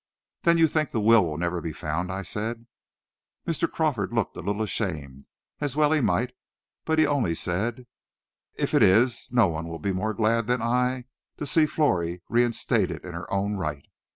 "Then you think the will will never be found?" I said. Mr. Crawford looked a little ashamed, as well he might, but he only said, "If it is, no one will be more glad than I to see Florrie reinstated in her own right.